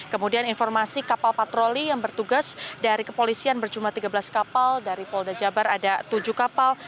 kemudian informasi kapal patroli yang bertugas dari kepolisian berjumlah tiga belas kapal dari polda jabar ada tujuh kapal